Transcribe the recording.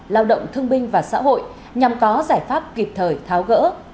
lao động thương binh và xã hội nhằm có giải pháp kịp thời tháo gỡ